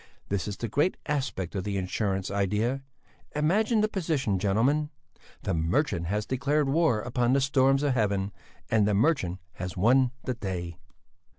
This is the great aspect of the insurance idea. Imagine the position, gentlemen! The merchant has declared war upon the storms of heaven and the merchant has won the day!"